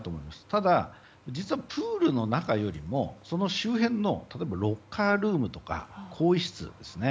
ただ、実はプールの中よりもその周辺のロッカールームとか更衣室ですね。